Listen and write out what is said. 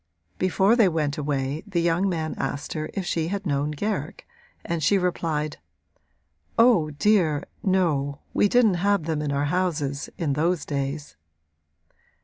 Before they went away the young man asked her if she had known Garrick and she replied: 'Oh, dear, no, we didn't have them in our houses, in those days.'